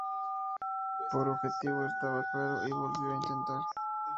Pero el objetivo estaba claro y lo volvió a intentar.